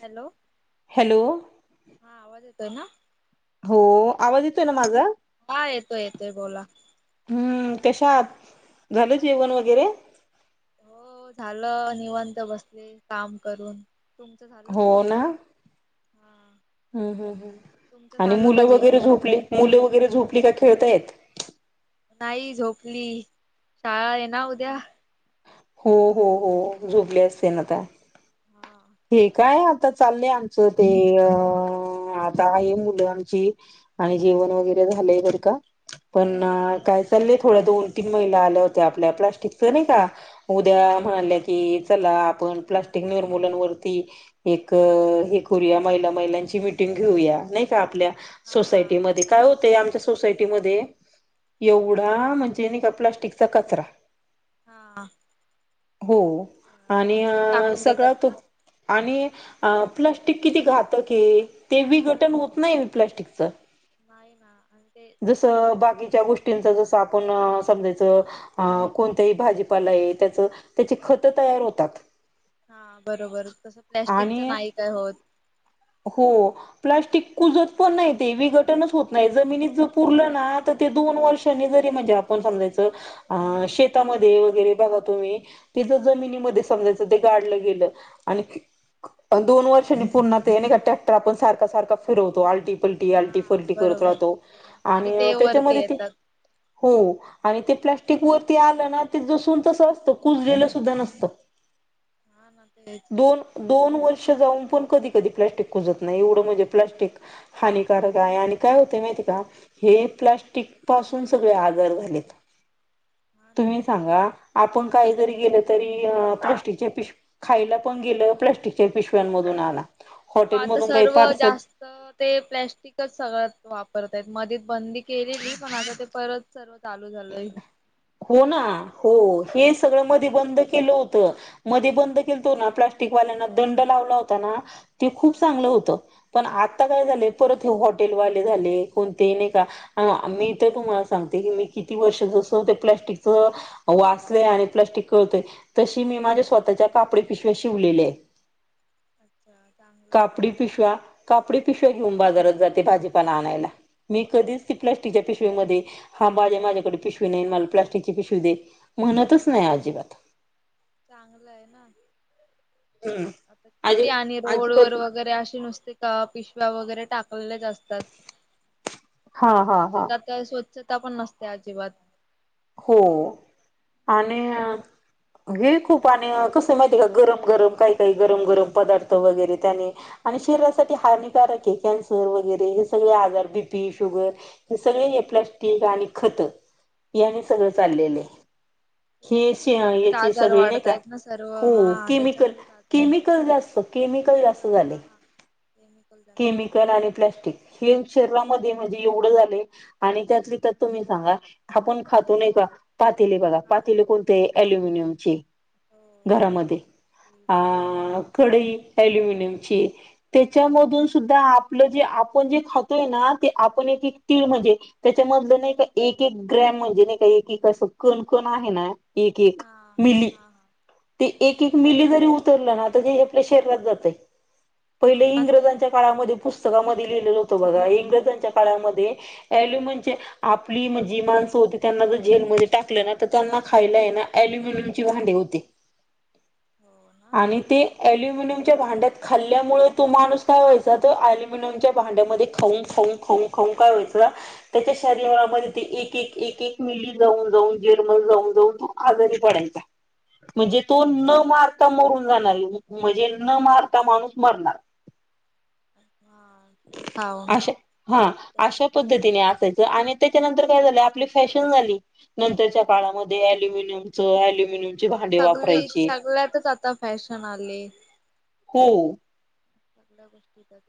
Hello hello हा आवाज येतोय ना हो आवाज येतोय ना माझा हा येतोय येतोय बोला, हम्म कशा आहात. झालं मस्त जेवण वगैरे तुम्ही हो, झालं निवांत बसले काम करून, तुमचं झालं हो ना हा तुमचं आणि झालं का मुलं वगैरे जेवण झोपले मुलं वगैरे झोपली का ठेवते नाही झोपली शाळा आहे ना उद्या हो हो हो झोपले असतील ना आता हा हे काय आता चाललंय आमचं ते अ आता आहे मुलं आमची आणि जेवण वगैरे झालंय बर का पण काय चाललंय थोड्या अच्छा दोन तीन महिला आल्या होत्या. आपल्या प्लास्टिकच नाही का हा उद्या हा म्हंटल की चला आपण प्लास्टिक निर्मूलन ती एक हे करूया महिला महिलांची मिटिंग घेऊया नाही का आपल्या हा सोसायटी हा मध्ये काय होतआमच्या सोसायटी मध्ये हा एवढा म्हण जे का प्लास्टिक चा कचरा हा हो अच्छा मग आणि असं अ टाकून देतात सगळा तो का आणि प्लास्टिक किती घातक आहे ते हो विघटन होत नाही प्लास्टिकचं मायना [inaudible] जसं बाकीच्या गोष्टींचा जसं आपण समजायचं कोणतही भाजीपाला आहे त्याच त्याची खत तयार होतात. हा बरोबर तस प्लॅस्टिकच आणि नाही काय होत. हो प्लास्टिक कुजत पण नाही ते विघटनच होत नाही. जमिनीत उरल ना तर ते दोन वर्षांनी जरी म्हणजे आपण समजायच शेतामध्ये वगैरे तुम्ही ति जमिनीमध्ये समजायच ते गाडलं गेलं आणि दोन वर्षांनी पून्हा ते नाही का ट्रॅक्टर आपण सारख सारख फिरवतो आल्टी अल्टी हा पलटी करत बरोबर राहतो तरी आणि ते त्याच्या वरती मध्ये ती येतात आणि हो प्लास्टिक वरती आलं ना ते जसून तस असतं कुजलेलं सुद्धा नसतं. हा ना तेच दोन दोन वर्ष पण कधी कधी प्लास्टिक कुजत नाही एवढं म्हणजे प्लास्टिक हानिकारक आहे आणि काय होतय माहित हे प्लास्टिक पासून सगळे आजर झालेत. हा ना तुम्ही प्लॅस्टिक सांगा आपण काही जरी घातकच आहे. गेल तरी प्लास्टिक च्या पिशवीत खायाला पण केल प्लास्टिक हो आता काही सर्व पार्सल जास्त ते प्लॅस्टिकच सगळ वापरताय मध्ये बंदी केलेली पण आता ते परत सर्व चालू झालंय. हो ना हो हे सगळं मग ते बंद केलं होत मध्ये बंद केलतो ना प्लास्टिक वाल्याना दंड लावला होता. ते खूप हा चांगलं होतं. पण आता काय झालं परत, हॉटेलवाले झाले कोणते नाही का मी तर तुम्हाला सांगते की, मी किती वर्ष अस होत. प्लास्टिकच वास लय आणि प्लास्टिक कळतय तशी मी माझ्या स्वतः कापडी पिशव्या शिवलेले. अच्छा चांगलं आहे कापडी पिशव्या कापडी पिशव्या घेऊन बाजारात जाते. भाजीपाला आणायला मी कधीच ती प्लास्टिकच्या पिशवी मध्ये हा माझ्याकडे पिशवी नाही मला प्लास्टिकची पिशवी दे म्हणतच नाही अजिबात, चांगलं आहे ना. हम्म आता अजी किती आणि रोड वर अजिबात वगैरे असे नुसते का पिशव्या वगैरे टाक असतात हा हा हा स्वच्छता आता स्व -च्छता पण नसते अजिबात हो आणि हे खूप आणि कस माहिती आहे का गरम गरम काही काही गरम गरम पदार्थ वगैरे त्यानी आणि शरीरासाठी हानिकारक आहे कॅन्सर वगैरे हे सगळे आजार बीपी शुगर हे सगळे. प्लास्टिक आणि खत यांनी सगळ चालले. तेच ना त्याच्यामुळे हेचे आजार सगळे नाही का वाढतायत ना सर्व हो हा केमिकल त्याच्यामुळेच आजार केमिकल जास्त केमिकल जास्त झाले. केमिकल जास्त केमिकल आणि प्लास्टिक हे. शरीरामध्ये म्हणजे एवढ झालय आणि त्यात तर तुम्ही सांगा आपण खातो नाही का. पातीलले बघा हा पातेले कोणते अल्युमिनियम. हो आयला घरामध्ये अ स्कूल हो कढई अल्युमिनियमची. हा ना त्याच्यामध्ये. ा आपलं जे आपण जे खातोय ना ते आपण एक एक तीळ म्हणजे त्याच्यामधलं नाही. एक एक ग्रॅम म्हणजे नाही का एक एक असं कणकण आहे ना एक एक हा मिली. हा हा ते एक एक मिली जरी उतरलं ना तर आपल्या शरीरात जातय हो पहिले ना ते इंग्रजांच्या काळामध्ये पुस्तक आप माण त्यांना ज जेलमध्ये टाकले ना तर त्यांना खायला ये ना अल्युमिनियमची भांडे होते हो ना आणि तेल अलुमियमच्या भांड्यात खाल्ल्यामुळे तो माणूस काय व्हायचा तो अलुमिनियमच्या भांड्यामध्ये खऊ खाऊ खाऊ त्या शरीन जा ज जाऊन जाऊन आजारी पडायचा म्हणजे तो न मारता मरून जाणार म्हणजे न मारता माणूस मरणार [inaudible] अ हा ते खाऊन अशा हा अशा त्याच्यात हे होऊन पद्धतीने असायचं आणि त्याच्यानंतर हो रच्या का आता सगळे सगळ्यातच आता फॅशन आले हो सगळ्या गोष्टी त्याात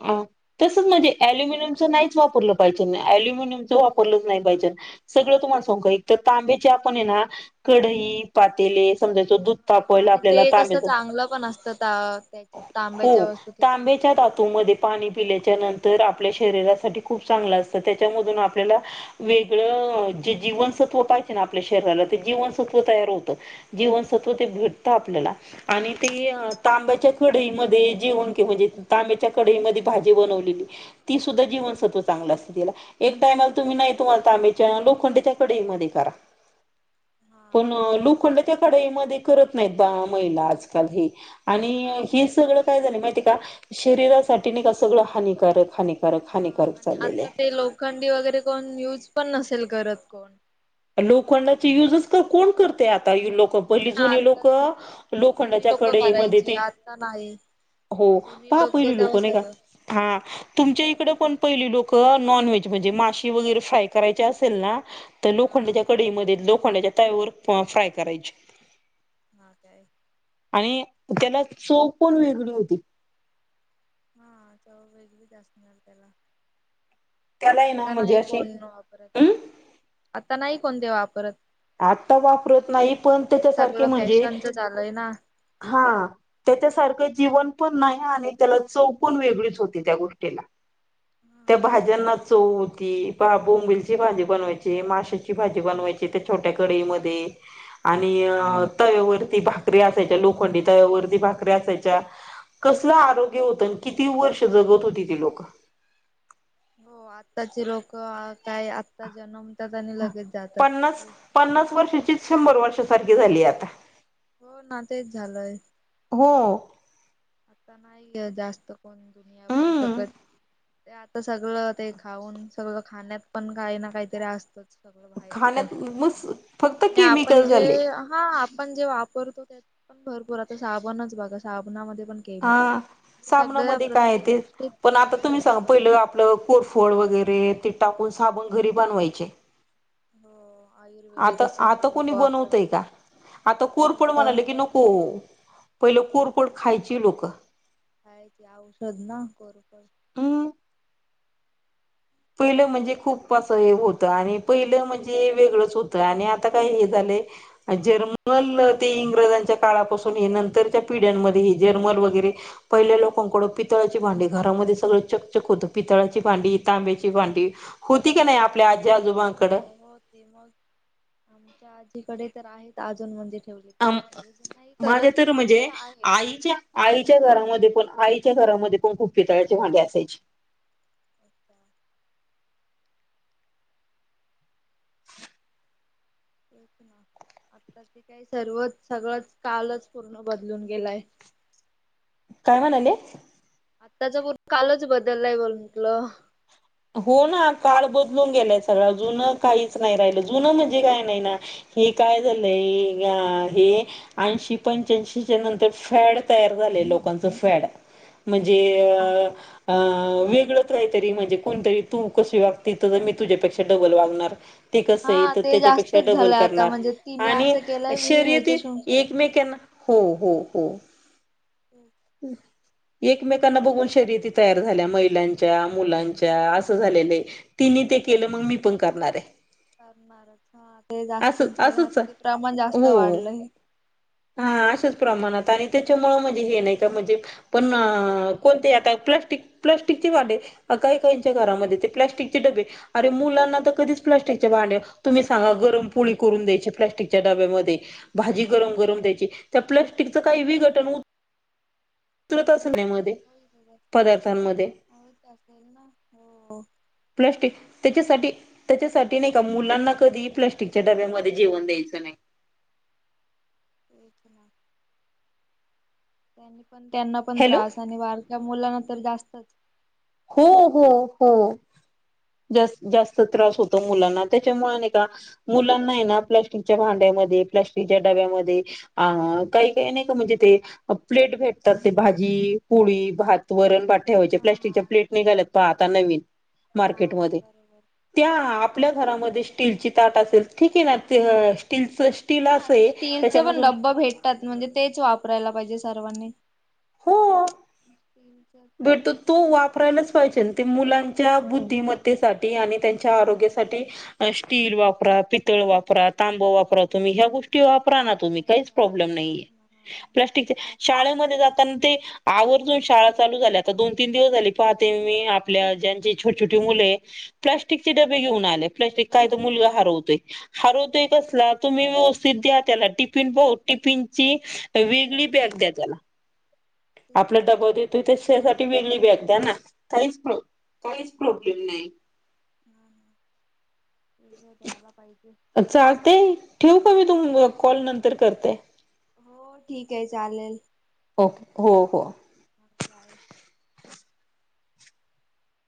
अ तसच म्हणजे अल्युमिनियमच नाहीच वापरलं पाहिजे ना अल्युमिनियम च नाहीच वापरलंच नाही हा पाहिजे सगळं तुम एक तांब्याचे आपण आहे ना कढई पातेले ाय दध त हा आणि आपल्याला ते कसं तांबच चांगलं पण असतं ता त्याच्यात हो तांब्याच्या वस्तू ते तांब केलेलं सर्व तुम पाणी पिल्याच्या नंतर आपल्या शरीरासाठी खूप चांगलं असतं त्याच्यामधून चांगलं आपल्याला असत वे जीवसत्व पाहि ना आपल्या शरीला जीवसत्व तयार होतं जवव आपल्या तब्याच्या क जेवणे जी बनवली तीा जीवव च असला एकाम तु्ही नाही आमच्या लोखंडच्या कडे मध्ये करा पण लोखंडच्या कडेमध्येध्ये करत नाही द महिला आजकाल हे आणि नाही हे करत सगळ काय झाले माहिती का शरीरासाठी नाही का सगळं हानिकारक हानिकार ह आणि आता ते लोखंडी वगैरे कोण युज पण नसेल करत कोण लोखंडाची युज कोण करत ते आता नाही लोकं कोण पहिली ना जुनी आता लोक जुनी लोखंडाच्या लोक कडे मध्ये करायची ते आता नाही. हो जुनी पहा पहिली लोक तेव्हा नाही का सर्व हा तुमच्या इकड पण पहिली लोक नॉनव्हेज म्हणजे माशी वगैरे फ्राय करायची असेल ना तरो लोखंडाच्या हा कढईमध्ये लोखंडाच्या तयावर फ्राय करायची म काय आणि त्याला चोख पण वेगळी होती हा चव वेगळी जास्त मिळाल त्याला कलाय ना आता नाही मजाशी कोण वापरत हम् आता नाही कोणते वापरत आता वापरत नाही पण त्याच्यासारखे सगळं म्हणजे फॅशनच झालंय ना हा त्याच्यासारखं जीवन पण नाही आणि त्याला चव पण वेगळीच होती त्या गोष्टीला. त्या हा भाज्यांना आणि चव होती. बोंबिलची भाजी बनवायची, माशांची भाजी बनवायची त्या छोट्या कढईमध्ये आणि अं तव्यावरती भाकरी असायच्या, लोखंडी तव्यावरती भाकरी असायच्या. कसलं आरोग्य होत आणि किती वर्ष जगत होती ती लोक. हो आत्ताचे लोक काय आत्ता जन्मतात आणि लगेच जातात. पन्नास पन्नास वर्षाचीच शंभर वर्ष सारखी झाली आता. हो ना तेच झालंय. हो. आता नाहीये जास्त कोण दुनिया बघू हम्म शकत. ते आता सगळं ते खाऊन सगळं खाण्यात पण काही ना काहीतरी असतंच. सगळं बाहेरच खाण्यात मस् फक्त आणि आपण केमिकल जे झाले हा आपण जे वापरतो त्यात पण भरपूर आता साबणच बघा साबणामध्ये पण केमिकल सगळ्या सामनामध्ये काय आहे प्रत्येक ते गोष्टीत पण आता तुम्ही केमिकल सांगा पहिलं आपलं कोरफोड वगैरे टाकून साबण घरी बनवायचे. हो आता आयुर्वेदिकच आता सगळी कोणी लोक बनवतय वापरायचे. का आता कोरफड म्हणाले की नको. पहिले कोरपड खायची लोक. काय ते औषध ना कोरफड हम् पहिलं म्हणजे खूप असं हे होतं आणि पहिलं म्हणजे वेगळंच होत आणि आता काय हे झालंय जर्मन ते इंग्रज घ्या काळापासून हे नंतरच्या पिढ्यांमध्ये हे जर्मर वगैरे पहिले लोकांकड पितळाची भांडी घरा घरामध्ये सगळं चकचक होत. पितळाची भांडी, तांब्याची भांडी होती का नाही आप आपल्या आजी आजोबांकड? हो हो इकडे तर आहेत अजून मंदिर माझ्या तर म्हणजे अशे आहेत. आईच्या आईच्या घरामध्ये पण आई च्या घरामध्ये पण खूप पितळेचे भांडे असायचे. तेच ना आता ते काही सर्वच सगळंच कालच पूर्ण बदलून गेलाय. काय म्हणाले? आत्ताच पूर्ण कालच बदललाय ब म्हटलं. हो ना काळ बदलून गेलाय सगळा. जुनं काहीच नाही राहिलं जुनं म्हणजे काय नाही ना हे काय झालंय हे ऐंशी पंच्याऐंशीच्या नंतर फॅड तयार झा लोकांचं फॅड म्हणजे हा. अ अ वेगळ काहीतरी म्हणजे कोणतरी तू कशी वागती, तर मी तुझ्यापेक्षा डबल वागणार. ते कसं आहे हा तर ते त्याच्यापेक्षा जास्तच डबल झालंय आता करणार म्हणजे तिने आणि असं केलंय मी शर्यती ह्याच्याशून एकमेकांना हो, हो, हो. हम्म. एकमेकांना बघून शर्यती तयार झाल्या. महिलांच्या, मुलांच्या अस झालेल हाय. तिन ते केलं तर मग मी पण करणार आहे. करणार हा ते असं जास्तच झालंय आता असंच ते प्रमाण जास्तच हो. वाढलंय हे. हा अशाच प्रमाणात आणि त्याच्यामुळं म्हणजे हे नाही म्हणजे पण कोण ते आता प्लास्टिक प्लास्टिकची भांडी काही काहीच्या घरामध्ये प्लास्टिकचे डबे अरे मुलांना तर कधीच प्लास्टिकच्या भांड्यात तुम्ही सांगा गरम पोळी करून द्यायचे. प्लॅस्टिकच्या डब्यामध्ये भाजी गरम, गरम द्यायची. त्या प्लस्टिकच काही विघटन हु होय, होतच असत पदार्थांमध्ये होतच असेल ना हो. प्लॅस्टिक त्याच्यासाठी त्याच्यासाठी नाही का मुलांना कधी प्लास्टिकच्या डब्यामध्ये जेवण द्यायचं नाही. [inaudible] तेच ना त्यांनी पण त्यांना पण हॅलो त्रास आणि बारक्या मुलांना तर जास्तच हो हो हो जास्त त्रास होतो मुलांना त्याच्यामुळे नाही का मुलांना ना प्लास्टिकच्या भांड्या डब्या प्लास्टिक च्या डब्यामध्ये आ काही काही नाही काते प्लेट भेटतात ते भात भाजी पोळी भात वरण भात ठेवायचे हा प्लास्टिकच्या हा प्लेट निघाल्यातना आता नवीन मार्केट हा मध्ये बरोबर. त्या आपल्या घरामध्ये स्टील ची ताट असेल ठीक आहे ना स्टीलच स्टील असं आणि आहे स्टीलच पण त्याच्यामधून डब्बा भेटतात म्हणजे तेच वापरायला पाहिजे सर्वांनी हो ते भेटतो तो वापरायलाच पाहिजे ना ते मुलांच्या बुद्धिमत्तेसाठी आणि त्यांच्या आरोग्यासाठी स्टील वापरा पित पितळ वापरा तांब वापरा तुम्ही ह्या गोष्टी वाप परा ना तुम्ही काहीच वापरा प्रॉब्लेम तेच नाहिये ना हा. प्लास्टिकचे तेच शाळेमध्ये जाताना ते आवर्जून शाळा चालु झाल्यात आता दोन तीन दिवस झाले पाहते मी आपल्या ज्यांचे छोटछोटे मुल आहे प्लास्टिकचे डबे घेवुन आले प्लास्टिक काय तर हरवतोय हरवतोय कसला तुम्ही व्यवस्थित द्या त्याला टिफिन टिफिन हो टिफिनची वेगळी बॅग द्या त्याला आपल ना डब देतोय ते शेजार ती वेगळी बॅग द्या ना काहीच काहीच प्रॉब्लेम नाही हम तेला पाहिक [unintelligible] चालतय ठेवु काय मी तुम कॉल नंतर करते हो ठीक आहे चालेल ओ हो हो हा बाय.